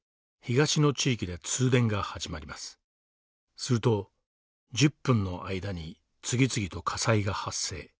すると１０分の間に次々と火災が発生。